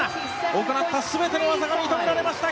行った全ての技が認められました。